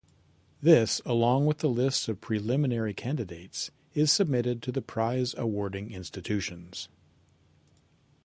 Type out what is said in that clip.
This, along with the list of preliminary candidates, is submitted to the prize-awarding institutions.